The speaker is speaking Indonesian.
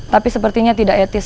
tapi sepertinya tidak etis